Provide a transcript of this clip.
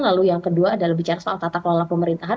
lalu yang kedua adalah bicara soal tata kelola pemerintahan